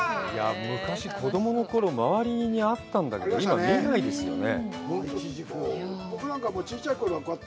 昔、子供のころ周りにあったんだけど、今、見ないですよね。